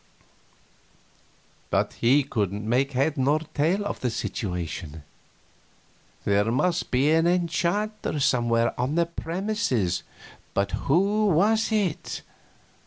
But he couldn't make head or tail of the situation. There must be an enchanter somewhere on the premises, but who was it?